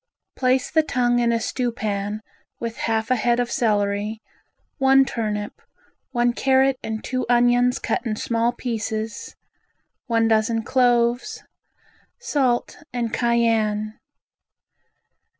Place the tongue in a stewpan with half a head of celery, one turnip, one carrot and two onions cut in small pieces, one dozen cloves, salt and cayenne.